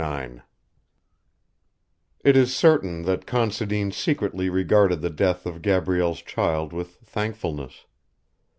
IX It is certain that Considine secretly regarded the death of Gabrielle's child with thankfulness.